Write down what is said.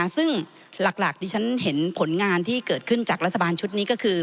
ซึ่งหลักดิฉันเห็นผลงานที่เกิดขึ้นจากรัฐบาลชุดนี้ก็คือ